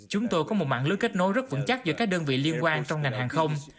chúng tôi có một mạng lưới kết nối rất vững chắc giữa các đơn vị liên quan trong ngành hàng không